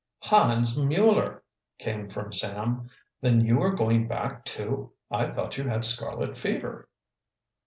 "Hans Mueller!" came from Sam. "Then you are going back, too? I thought you had scarlet fever?"